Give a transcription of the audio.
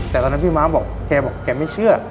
แต่ตอนนั้นพี่ม้าบอกแกบอกแกไม่เชื่อ